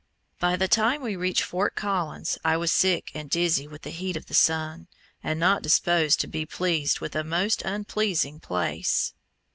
By the time we reached Fort Collins I was sick and dizzy with the heat of the sun, and not disposed to be pleased with a most unpleasing place.